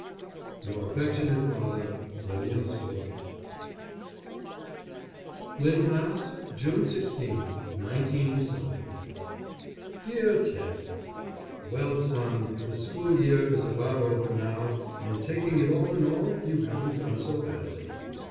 Your affectionate father, WILLIAM SOULE. LYNN, MASS., _June 16, 19 _ DEAR TED: Well son the school year is about over now and taking it all in all you haven't done so badly.